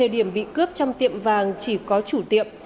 điểm bị cướp trong tiệm vàng chỉ có chủ tiệm